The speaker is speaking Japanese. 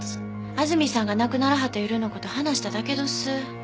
安住さんが亡くならはった夜の事話しただけどす。